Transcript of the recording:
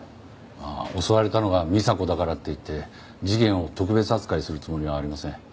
襲われたのが美沙子だからっていって事件を特別扱いするつもりはありません。